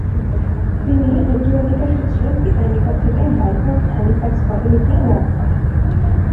তিনি উত্তোরাধিকার সূত্রে পিতার নিকট থেকে ভাইকাউন্ট হ্যালিফ্যাক্স পদবীটি লাভ করেন।